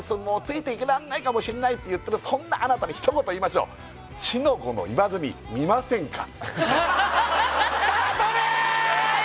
もうついていけないかもしんないって言ってるそんなあなたに一言言いましょう四の五の言わずに見ませんかスタートです！